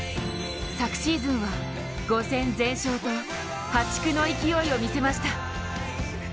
昨シーズンは５戦全勝と破竹の勢いを見せました。